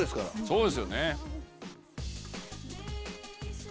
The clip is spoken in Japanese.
そうですよね。